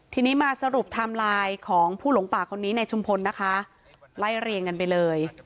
ทีนี้มาสรุปไทม์ไลน์ของผู้หลงป่าคนนี้ในชุมพลนะคะไล่เรียงกันไปเลย